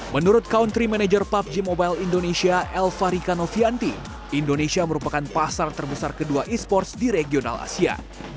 menurut country manager pubg mobile indonesia el farikano fianti indonesia merupakan pasar terbesar kedua esports di regional asia